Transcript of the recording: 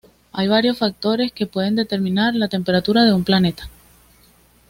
Hay varios factores que pueden determinar la temperatura de un planeta.